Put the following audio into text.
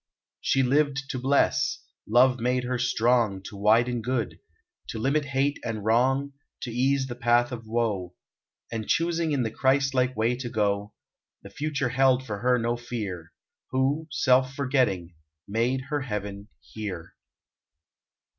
She lived to bless : love made her strong To widen good, to limit hate and wrong. To ease the path of woe ; And choosing in the Christ like way to go. The future held for her no fear, Who, self forgetting, made her heaven — here